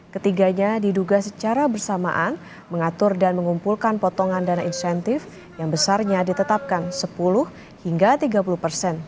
ketiganya diduga secara bersamaan mengatur dan mengumpulkan potongan dana insentif yang besarnya ditetapkan sepuluh hingga tiga puluh persen